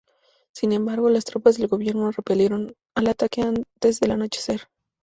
Sin embargo, las tropas del gobierno repelieron el ataque antes del anochecer.